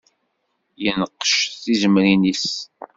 Yenqec tizemrin-is.